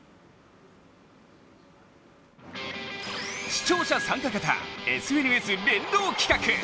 視聴者参加型ＳＮＳ連動企画！